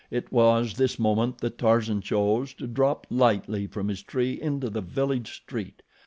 It was this moment that Tarzan chose to drop lightly from his tree into the village street.